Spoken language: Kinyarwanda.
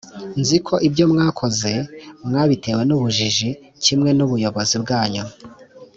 nzi ko ibyo mwakoze mwabitewe n ubujiji k kimwe n abayobozi banyu